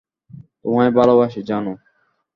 তোমায় ভালোবাসি, জানু।